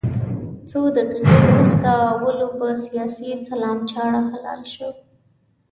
څو دقيقې وروسته ولو په سیاسي اسلام چاړه حلال شو.